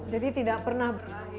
jadi tidak pernah berakhir